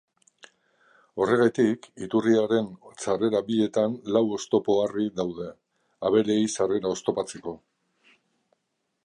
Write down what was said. Horregatik, iturriaren sarrera bietan lau oztopo-harri daude, abereei sarrera oztopatzeko.